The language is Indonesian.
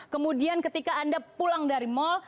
kemudian ketika anda pulang dari mal